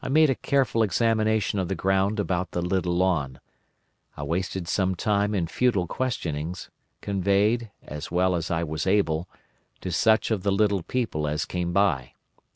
I made a careful examination of the ground about the little lawn. I wasted some time in futile questionings, conveyed, as well as I was able, to such of the little people as came by.